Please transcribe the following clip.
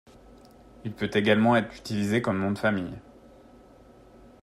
Il peut également être utilisé comme nom de famille.